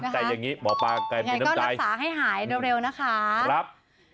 แต่อย่างนี้หมอป้าแก่มือน้ำใจรักษาให้หายเร็วนะคะรับ